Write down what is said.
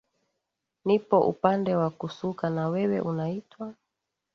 nipo upande wa kusuka na wewe unaitwa